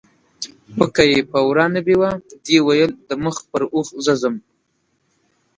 پکه یې په وراه نه بیوه، دې ویل د مخ پر اوښ زه ځم